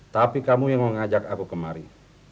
tapi kamu yang mengajak aku kemari